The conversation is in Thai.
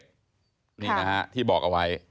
นี่นะฮะที่บอกเอาไว้